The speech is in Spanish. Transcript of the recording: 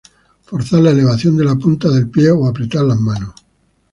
Forzar la elevación de la punta del pie o apretar las manos.